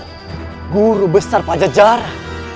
hai guru besar pajajara